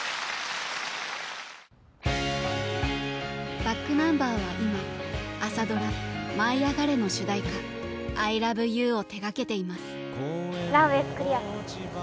ｂａｃｋｎｕｍｂｅｒは今朝ドラ「舞いあがれ！」の主題歌「アイラブユー」を手がけています。